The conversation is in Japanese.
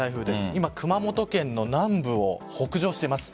今、熊本県の南部を北上しています。